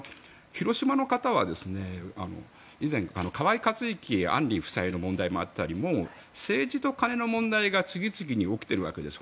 特に広島の方は以前河井克行・案里夫妻の問題もあったりと政治と金の問題が次々に起きているわけです。